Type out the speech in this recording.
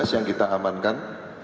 tiga belas yang kita amankan